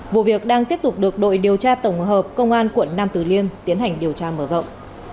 vụ việc đang tiếp tục được đội điều tra tổng hợp công an quận nam tử liêm tiến hành điều tra mở rộng